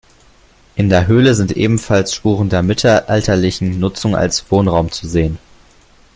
In der Höhle sind ebenfalls Spuren der mittelalterlichen Nutzung als Wohnraum zu sehen.